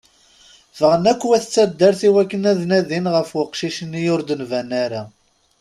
Ffɣen akk wat taddart i wakken ad nadin ɣef uqcic-nni ur d-nban ara.